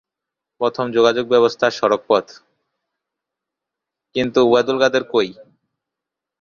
প্রধান যোগাযোগ ব্যবস্থা সড়ক পথ।